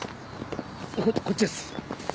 こっちです。